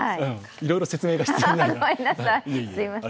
いろいろ説明が必要ですね。